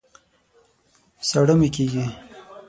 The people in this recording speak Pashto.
ساړه مي کېږي